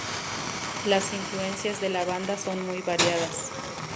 Las influencias de la banda son muy variadas.